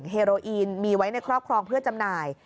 เฮโรอีนมีไว้ในครอบครองเพื่อจำหน่าย